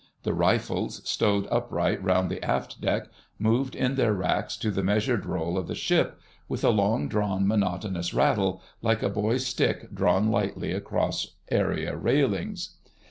The rifles, stowed upright round the aft deck, moved in their racks to the measured roll of the ship, with a long drawn, monotonous rattle, like a boy's stick drawn lightly across area railings.